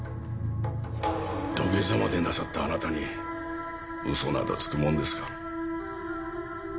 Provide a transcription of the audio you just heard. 土下座までなさったあなたにうそなどつくもんですか。